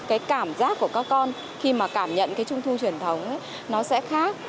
cái cảm giác của các con khi mà cảm nhận cái trung thu truyền thống nó sẽ khác